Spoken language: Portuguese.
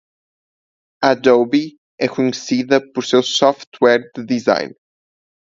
Adobe é conhecida por seu software de design.